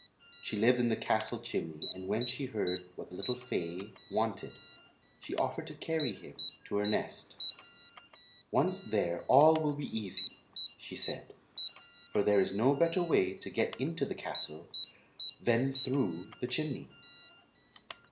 She lived in the castle chimney and when she heard what the little fay wanted she offered to carry him to her nest. "Once there all will be easy," she said; "for there is no better way to get into the castle than through the chimney."